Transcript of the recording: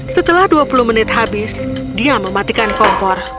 setelah dua puluh menit habis dia mematikan kompor